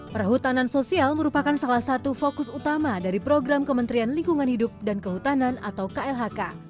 perhutanan sosial merupakan salah satu fokus utama dari program kementerian lingkungan hidup dan kehutanan atau klhk